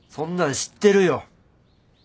そんなん知ってるよ！